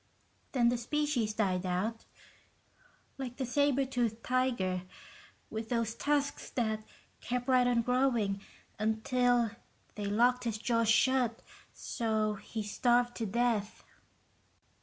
"Then the species died out, like the saber tooth tiger, with those tusks that kept right on growing until they locked his jaws shut, so he starved to death."